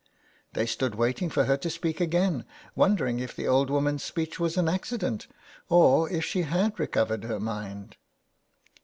They stood waiting for her to speak again, wondering if the old woman's speech was an accident, or if she had recovered her mind.